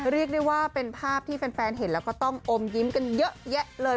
เรียกได้ว่าเป็นภาพที่แฟนเห็นแล้วก็ต้องอมยิ้มกันเยอะแยะเลย